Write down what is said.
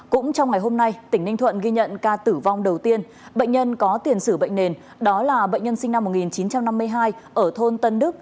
cũng trong ngày hôm nay tỉnh ninh thuận ghi nhận ca tử vong đầu tiên bệnh nhân có tiền sử bệnh nền đó là bệnh nhân sinh năm một nghìn chín trăm năm mươi hai ở thôn tân đức